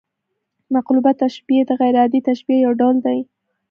مقلوبه تشبیه د غـير عادي تشبیه یو ډول دئ.